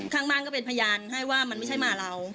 ข้างบ้านก็เป็นพยานให้ว่ามันไม่ใช่หมาเรา